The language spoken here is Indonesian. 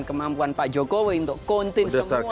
kemampuan pak jokowi untuk kontin semua persoalan yang muncul